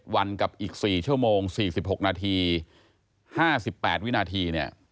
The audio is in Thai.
วันกับอีก๔ชั่วโมง๔๖นาที๕๘วินาทีเนี่ย